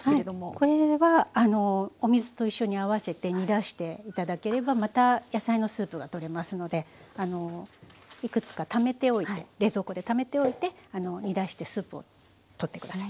これはお水と一緒に合わせて煮出していただければまた野菜のスープが取れますのでいくつかためておいて冷蔵庫でためておいて煮出してスープを取って下さい。